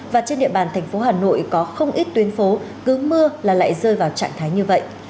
và trên địa bàn thành phố hà nội có không ít tuyến phố cứ mưa là lại rơi vào trạng thái như vậy